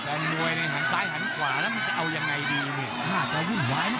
มวยในหันซ้ายหันขวาแล้วมันจะเอายังไงดีเนี่ยน่าจะวุ่นวายนะ